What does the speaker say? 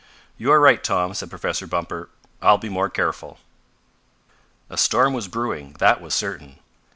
"You are right, Tom," said Professor Bumper. "I'll be more careful." A storm was brewing, that was certain.